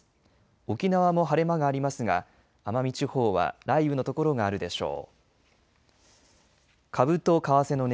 沖縄も晴れ間がありますが奄美地方は雷雨の所があるでしょう。